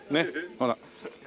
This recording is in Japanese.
ほら。